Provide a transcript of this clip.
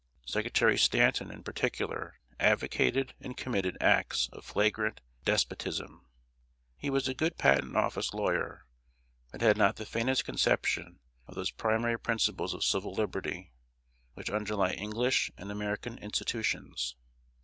Secretary Stanton, in particular, advocated and committed acts of flagrant despotism. He was a good patent office lawyer, but had not the faintest conception of those primary principles of Civil Liberty which underlie English and American institutions.